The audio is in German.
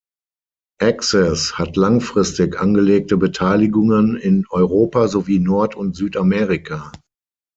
Access hat langfristig angelegte Beteiligungen in Europa sowie Nord- und Südamerika.